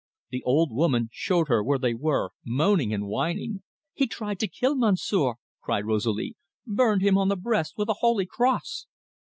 The old woman showed her where they were, moaning and whining. "He tried to kill Monsieur," cried Rosalie, "burned him on the breast with the holy cross!"